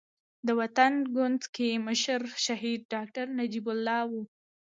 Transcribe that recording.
د وطن ګوند کې مشر شهيد ډاکټر نجيب الله وو.